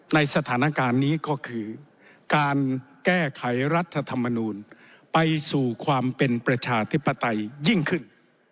ในสถานการณ์นี้ก็คือการแก้ไขรัฐธรรมนูลไปสู่ความเป็นประชาธิปไตยยิ่งขึ้น